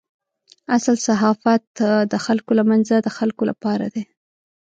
اصل صحافت د خلکو له منځه د خلکو لپاره دی.